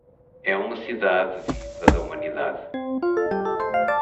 É uma cidade viva da humanidade